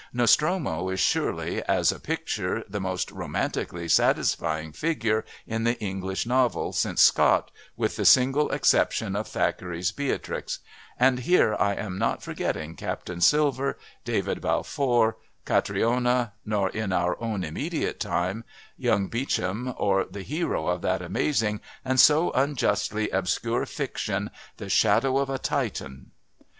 Nostromo is surely, as a picture, the most romantically satisfying figure in the English novel since Scott, with the single exception of Thackeray's Beatrix and here I am not forgetting Captain Silver, David Balfour, Catriona, nor, in our own immediate time, young Beauchamp or the hero of that amazing and so unjustly obscure fiction, The Shadow of a Titan.